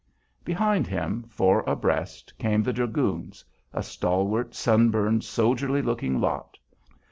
Behind him, four abreast, came the dragoons, a stalwart, sunburned, soldierly looking lot.